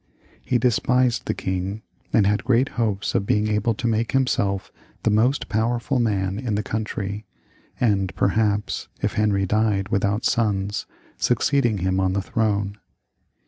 He despised the king, and had great hopes of being able to make himseK the most powerful man in the country, and perhaps, if Henry died without sons, succeeding him on the throne.